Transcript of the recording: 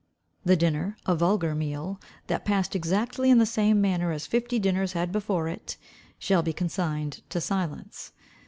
The dinner, a vulgar meal, that passed exactly in the same manner as fifty dinners had before it, shall be consigned to silence.